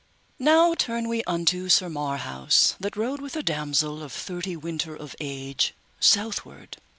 Now turn we unto Sir Marhaus, that rode with the damosel of thirty winter of age, southward.